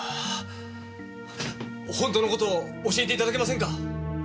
本当のことを教えていただけませんか？